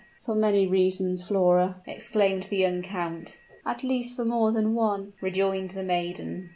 "For many reasons, Flora!" exclaimed the young count. "At least for more than one," rejoined the maiden.